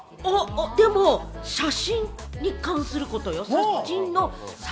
でも写真に関することよ。